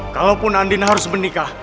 kalaupun andin harus menikah